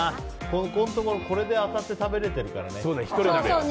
ここのところこれで当たって食べれてるからね。